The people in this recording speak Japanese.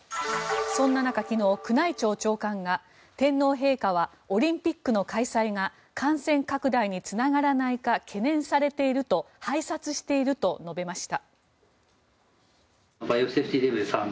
そんな中、昨日、宮内庁長官が天皇陛下はオリンピックの開催が感染拡大につながらないか懸念されていると拝察していると述べました。